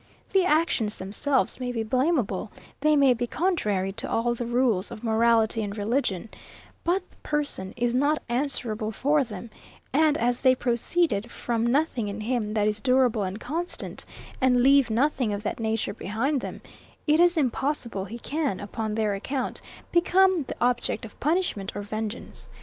The actions themselves may be blameable; they may be contrary to all the rules of morality and religion: But the person is not answerable for them; and as they proceeded from nothing in him that is durable and constant, and leave nothing of that nature behind them, it is impossible he can, upon their account, become the object of punishment or vengeance.